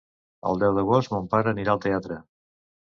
El deu d'agost mon pare anirà al teatre.